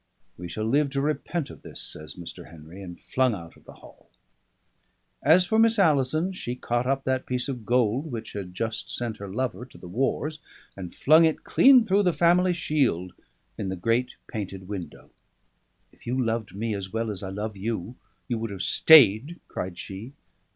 "We shall live to repent of this," says Mr. Henry, and flung out of the hall. As for Miss Alison, she caught up that piece of gold which had just sent her lover to the wars, and flung it clean through the family shield in the great painted window. "If you loved me as well as I love you, you would have stayed," cried she.